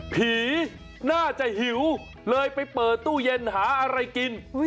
ผีน่าจะหิวเลยไปเปิดตู้เย็นหาอะไรกิน